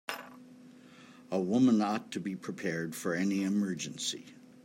A woman ought to be prepared for any emergency.